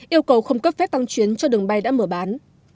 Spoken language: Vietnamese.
yêu cầu không cấp phép tăng chuyến cho đường bay đã mở bán